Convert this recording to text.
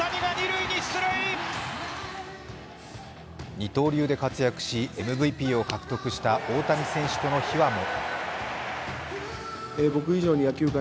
二刀流で活躍しＭＶＰを獲得した大谷選手との秘話も。